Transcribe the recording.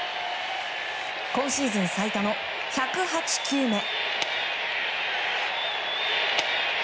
今シーズン最多の１０８球目。